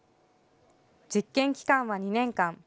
実験期間は２年間。